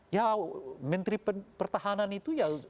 ya menteri pertahanan itu ya